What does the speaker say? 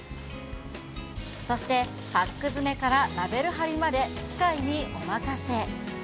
そして、パック詰めからラベル貼りまで機械にお任せ。